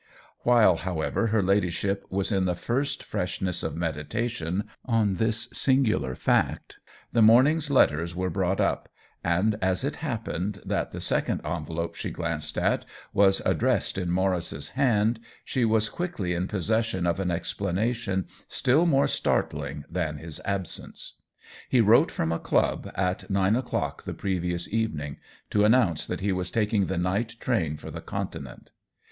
While, however, her ladyship was in the first fresh ness of meditation on this singular fact, the morning's letters were brought up, and as it 38 THE WHEEL OF TIME happened that the second envelope she glanced at was addressed in Maurice's hand, she was quickly in possession of aa expla nation still more startling than his absence. He wrote from a club, at nine o'clock the previous evening, to announce that he was taking the night train for the Continent.